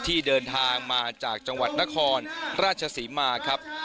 ที่เดินทางมาจากจังหวัดนครราชศรีมาครับ